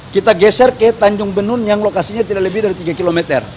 kita geser ke tanjung benun yang lokasinya tidak lebih dari tiga km